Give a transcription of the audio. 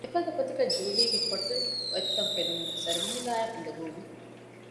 އެފަދަ ގޮތަކަށް ޖޫލީގެ ކޮޓަރި އޮތްތަން ފެނުމުން ސަރުމީލާއަށް އުނދަގޫވި